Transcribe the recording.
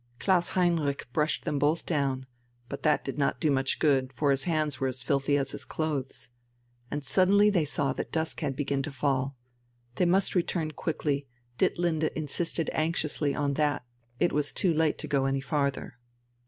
Klaus Heinrich brushed them both down, but that did not do much good, for his hands were as filthy as his clothes. And suddenly they saw that dusk had begun to fall. They must return quickly, Ditlinde insisted anxiously on that; it was too late to go any farther.